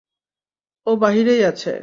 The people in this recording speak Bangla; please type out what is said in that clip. ও বাহিরেই আছে।